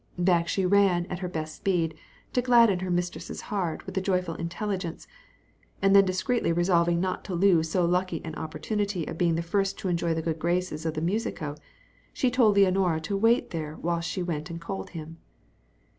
Back she ran, at her best speed, to gladden her mistress's heart with the joyful intelligence; and then discreetly resolving not to lose so lucky an opportunity of being the first to enjoy the good graces of the musico, she told Leonora to wait there whilst she went and called him.